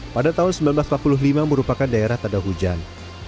pada tahun seribu sembilan ratus empat puluh lima merupakan daerah tanda hujan